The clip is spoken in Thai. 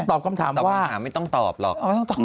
ตอบคำถามไม่ต้องตอบหรอก